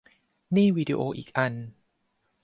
นี่วิดีโออีกอัน